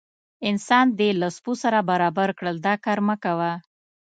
انسان دې له سپو سره برابر کړل دا کار مه کوه.